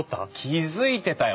気付いてたよ。